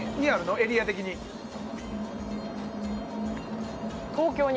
エリア的に。